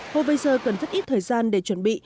hovezer cần rất ít thời gian để chuẩn bị